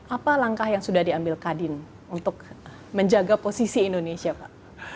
apa langkah yang sudah diambil kadin untuk menjaga posisi indonesia pak